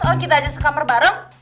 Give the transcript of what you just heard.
orang kita aja sekamer bareng